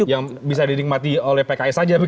yang bisa didikmati oleh pks saja